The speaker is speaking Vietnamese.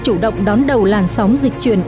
chủ động đón đầu làn sóng dịch truyền